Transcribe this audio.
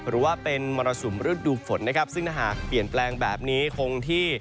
หรือว่าเป็นมรสุมฤดูฝนนะครับซึ่งถ้าหากเปลี่ยนแปลงแบบนี้คงที่